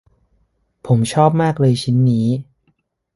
ผมชอบมากเลยชิ้นนี้